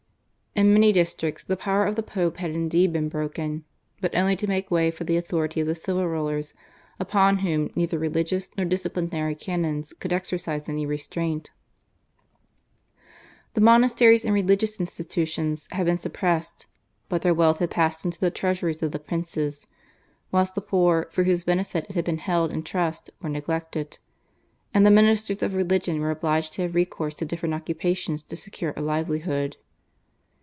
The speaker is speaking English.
In many districts the power of the Pope had indeed been broken, but only to make way for the authority of the civil rulers upon whom neither religious nor disciplinary canons could exercise any restraint; the monasteries and religious institutions had been suppressed, but their wealth had passed into the treasuries of the princes, whilst the poor for whose benefit it had been held in trust were neglected, and the ministers of religion were obliged to have recourse to different occupations to secure a livelihood.